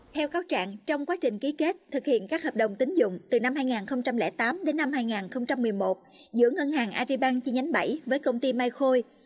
theo cáo trạng trong quá trình ký kết thực hiện các hợp đồng tính dụng từ năm hai nghìn tám đến năm hai nghìn một mươi một giữa ngân hàng aribank chi nhánh bảy với công ty mai khôi